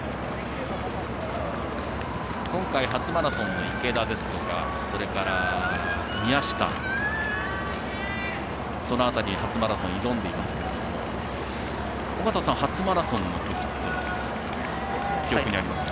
今回、初マラソンの池田ですとかそれから、宮下、その辺りに初マラソン挑んでいますけれども尾方さん、初マラソンの時は記憶にありますか？